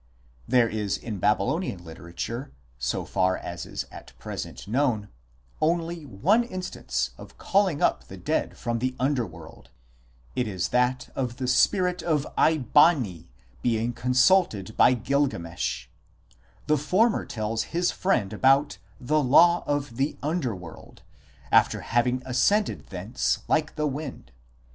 There is in Babylonian literature, so far as is at present known, only one instance of calling up the dead from the underworld ; it is that of the spirit of Eabani being consulted by Gilgamesh ; the former tells his friend about " the law of the underworld," after having ascended thence "like a wind."